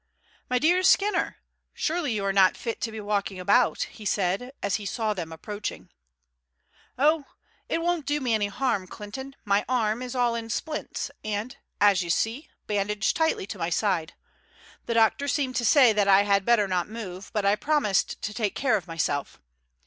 "My dear Skinner, surely you are not fit to be walking about," he said as he saw them approaching. "Oh! it won't do me any harm, Clinton; my arm is all in splints, and, as you see, bandaged tightly to my side. The doctor seemed to say that I had better not move, but I promised to take care of myself.